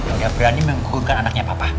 udah berani mengugurkan anaknya papa